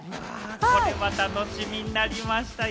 それは楽しみになりました。